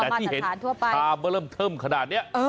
แต่ที่เห็นชาเบอร์เริ่มเทิมขนาดนี้